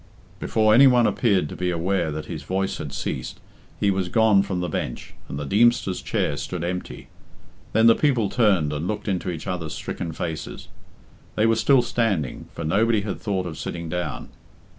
Before any one appeared to be aware that his voice had ceased he was gone from the bench, and the Deemster's chair stood empty. Then the people turned and looked into each other's stricken faces. They were still standing, for nobody had thought of sitting down.